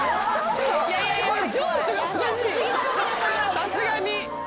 さすがに。